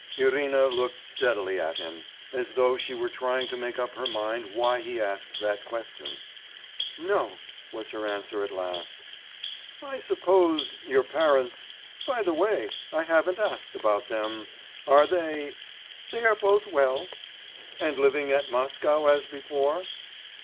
Irina looked steadily at him, as though she were trying to make up her mind why he asked that question. 'No,' ... was her answer at last. 'I suppose, your parents.... By the way, I haven't asked after them. Are they ' 'They are both well.' 'And living at Moscow as before?